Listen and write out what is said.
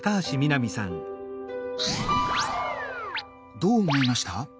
どう思いました？